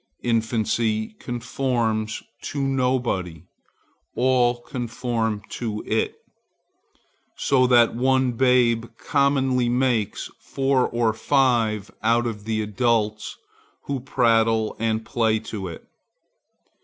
Infancy conforms to nobody; all conform to it; so that one babe commonly makes four or five out of the adults who prattle and play to it.